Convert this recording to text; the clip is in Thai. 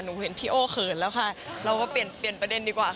เห็นพี่โอ้เขินแล้วค่ะเราก็เปลี่ยนเปลี่ยนประเด็นดีกว่า